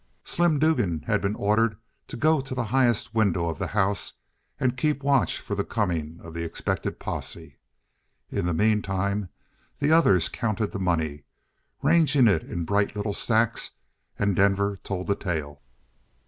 Slim Dugan had been ordered to go to the highest window of the house and keep watch for the coming of the expected posse. In the meantime the others counted the money, ranging it in bright little stacks; and Denver told the tale.